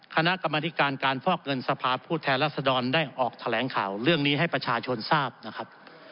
คณะกรรมธิการการฟอกเงินสภาพผู้แทนรัศดรได้ออกแถลงข่าวเรื่องนี้ให้ประชาชนทราบนะครับ